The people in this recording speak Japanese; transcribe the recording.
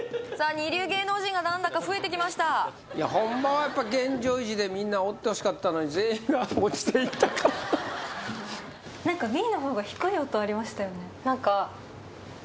二流芸能人がなんだか増えてきましたいやほんまは現状維持でみんなおってほしかったのに全員が落ちていったからなんかなんか音しましたよね？